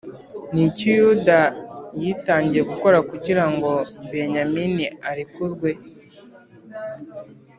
Ni iki yuda yitangiye gukora kugira ngo benyamini arekurwe